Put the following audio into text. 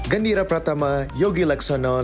gendira pratama yogi laksono